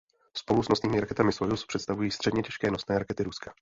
Spolu s nosnými raketami Sojuz představují středně těžké nosné rakety Ruska.